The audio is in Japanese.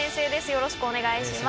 よろしくお願いします。